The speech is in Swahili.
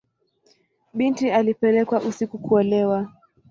Binti alipelekwa usiku kuolewa.